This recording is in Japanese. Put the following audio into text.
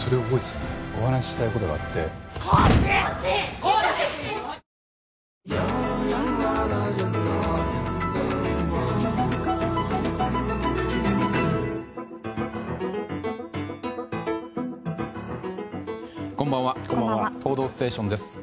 「報道ステーション」です。